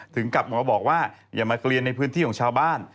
กลับมาบอกว่าอย่ามาเกลียนในพื้นที่ของชาวบ้าน